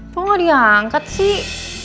kok gak diangkat sih